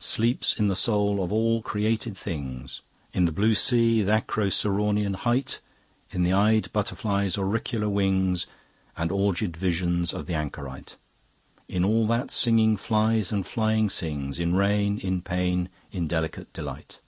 Sleeps in the soul of all created things; In the blue sea, th' Acroceraunian height, In the eyed butterfly's auricular wings And orgied visions of the anchorite; In all that singing flies and flying sings, In rain, in pain, in delicate delight.